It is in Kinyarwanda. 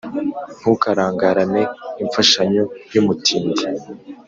ntukarangarane imfashanyo y’umutindi